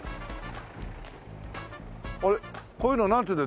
あれっこういうのなんていうんだろう？